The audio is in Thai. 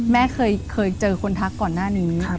แม่เคยเจอคนทักก่อนหน้านี้